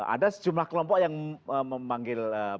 ada sejumlah kelompok yang memanggil